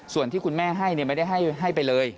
ส่วนที่คุณแม่ให้ไม่ได้ให้ไปเลย